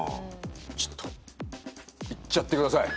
ちょっといっちゃってください。